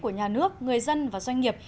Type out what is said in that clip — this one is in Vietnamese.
của nhà nước người dân và doanh nghiệp